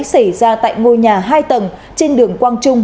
xảy ra tại ngôi nhà hai tầng trên đường quang trung